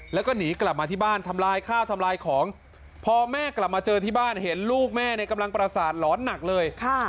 แล้วก็หนีกลับมาที่บ้านทำลายข้าวทำลายของพอแม่กลับมาเจอที่บ้านเห็นลูกแม่เนี่ยกำลังประสาทหลอนหนักเลย